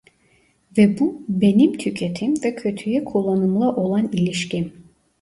Ve bu benim tüketim ve kötüye kullanımla olan ilişkim.